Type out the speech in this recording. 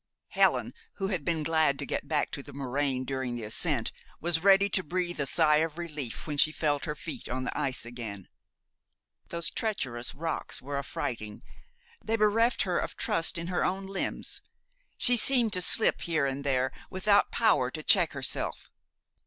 Helen, who had been glad to get back to the moraine during the ascent, was ready to breathe a sigh of relief when she felt her feet on the ice again. Those treacherous rocks were affrighting. They bereft her of trust in her own limbs. She seemed to slip here and there without power to check herself.